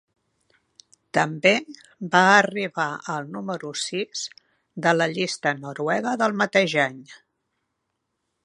També va arribar al número sis de la llista noruega del mateix any.